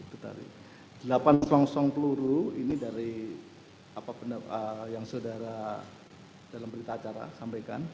delapan selongsong peluru ini dari yang saudara dalam berita acara sampaikan